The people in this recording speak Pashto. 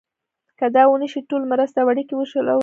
که دا ونه شي ټولې مرستې او اړیکې وشلول شي.